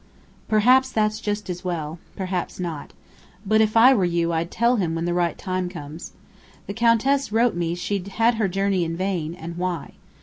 "Perhaps that's just as well. Perhaps not. But if I were you I'd tell him when the right time comes. The Countess wrote me she'd had her journey in vain, and why.